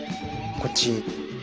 こっち。